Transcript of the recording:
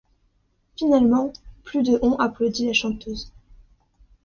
Finalement, plus de ont applaudi la chanteuse.